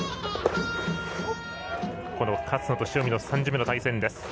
勝野と塩見の３巡目の対決。